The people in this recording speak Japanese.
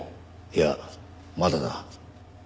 いやまだだ。